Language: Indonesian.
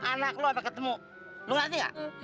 anak lo ampe ketemu lo ngerti gak